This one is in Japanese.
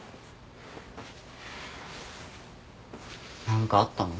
何かあったの？